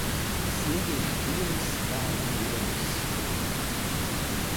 Sieviešu dienas dāvanu idejas.